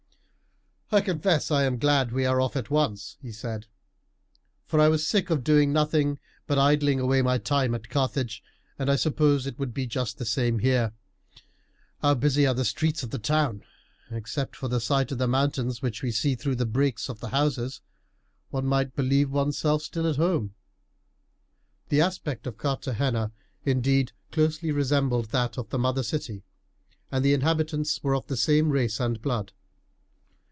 "I confess I am glad we are off at once," he said, "for I was sick of doing nothing but idling away my time at Carthage; and I suppose it would be just the same here. How busy are the streets of the town! Except for the sight of the mountains which we see through the breaks of the houses, one might believe one's self still at home." The aspect of Carthagena, indeed, closely resembled that of the mother city, and the inhabitants were of the same race and blood.